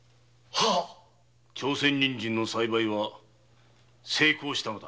朝鮮人参の栽培は成功したのだ。